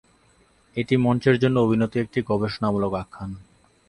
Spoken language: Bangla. এটি মঞ্চের জন্য অভিনীত একটি গবেষণামূলক আখ্যান।